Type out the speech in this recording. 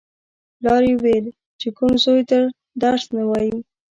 پلار یې ویل: چې کوم زوی درس نه وايي.